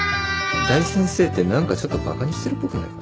「大先生」って何かちょっとバカにしてるっぽくないか？